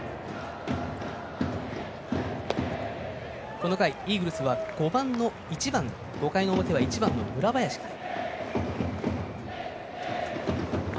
この回、イーグルスは５回の表は１番の村林から。